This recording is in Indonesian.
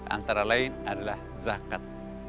antara lain adalah zakat